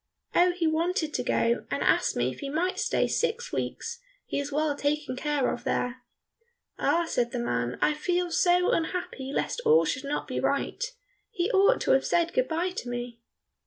"Oh, he wanted to go, and asked me if he might stay six weeks, he is well taken care of there." "Ah," said the man, "I feel so unhappy lest all should not be right. He ought to have said good bye to me."